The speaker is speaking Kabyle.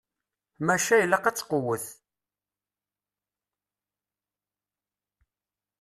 Maca ilaq ad tqewwet.